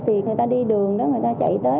thì người ta đi đường nếu người ta chạy tới